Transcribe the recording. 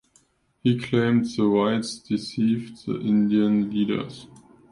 He claimed the whites deceived the Indian leaders.